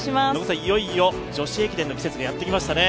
いよいよ女子駅伝の季節がやってきましたね。